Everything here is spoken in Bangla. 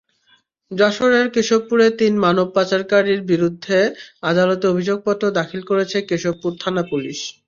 যশোরের কেশবপুরে তিন মানব পাচারকারীর বিরুদ্ধে আদালতে অভিযোগপত্র দাখিল করেছে কেশবপুর থানা-পুলিশ।